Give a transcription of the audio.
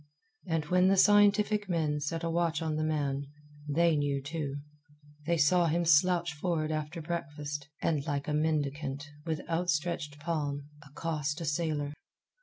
And when the scientific men set a watch on the man, they knew too. They saw him slouch for'ard after breakfast, and, like a mendicant, with outstretched palm, accost a sailor.